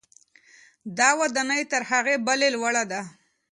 دا ودانۍ تر هغې بلې لوړه ده.